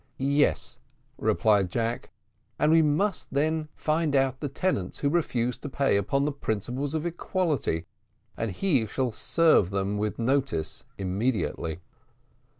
"Yes," replied Jack, "and we must then find out the tenants who refuse to pay upon the principles of equality, and he shall serve them with notice immediately."